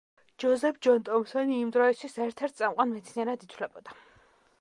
ჯოზეფ ჯონ ტომპსონი იმ დროისთვის ერთ-ერთ წამყვან მეცნიერად ითვლებოდა.